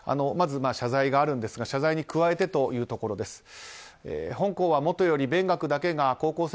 まず、謝罪があるんですが謝罪に加えてというところです。